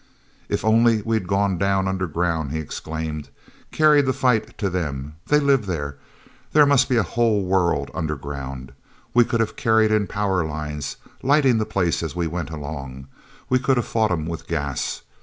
"If only we'd gone down underground," he exclaimed; "carried the fight to them! They live there—there must be a whole world underground. We could have carried in power lines, lighting the place as we went along. We could have fought 'em with gas.